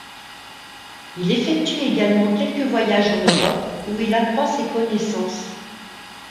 Il effectue également quelques voyages en Europe où il accroît ses connaissances.